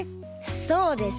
そうです。